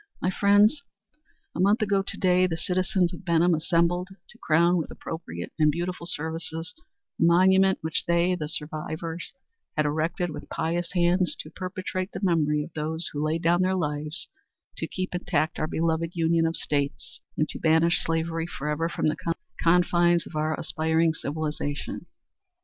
"My friends, a month ago to day the citizens of Benham assembled to crown with appropriate and beautiful services the monument which they, the survivors, have erected with pious hands to perpetuate the memory of those who laid down their lives to keep intact our beloved union of States and to banish slavery forever from the confines of our aspiring civilization.